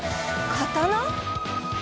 刀？